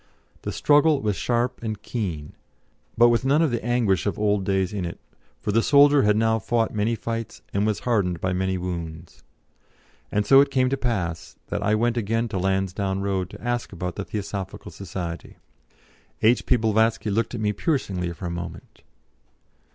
The struggle was sharp and keen, but with none of the anguish of old days in it, for the soldier had now fought many fights and was hardened by many wounds. And so it came to pass that I went again to Lansdowne Road to ask about the Theosophical Society. H.P. Blavatsky looked at me piercingly for a moment.